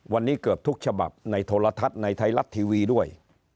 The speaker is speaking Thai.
วันนี้เกือบทุกฉบับในโทรทัศน์ในไทยรัฐทีวีด้วย